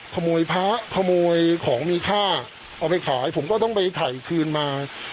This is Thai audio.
ขโมยพระขโมยของมีค่าเอาไปขายผมก็ต้องไปถ่ายคืนมา